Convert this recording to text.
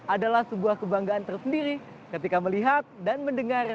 adalah sebuah kebanggaan tersendiri ketika melihat dan mendengar